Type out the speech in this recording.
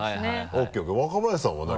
ＯＫ若林さんは何？